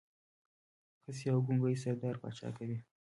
خصي او ګونګی سردار پاچا کوي.